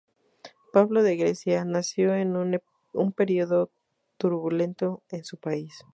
Pablo de Grecia nació en un periodo turbulento en su país.